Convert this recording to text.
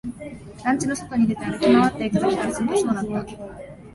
団地の外に出て、歩き回っていたときからずっとそうだった